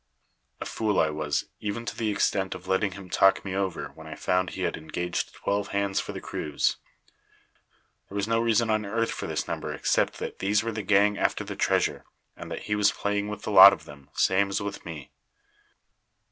"A fool I was even to the extent of letting him talk me over when I found he had engaged twelve hands for the cruise. There was no reason on earth for this number except that these were the gang after the treasure, and that he was playing with the lot of them, same as with me.